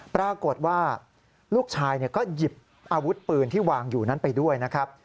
ปรากฏว่าลูกชายก็หยิบอาวุธปืนที่วางอยู่นั้นไปด้วยนะครับ